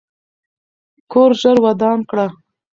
کور ژر ودان کړه.